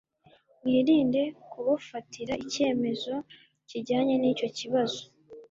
Mwirinde kubafatira icyemezo kijyanye nicyo kibazo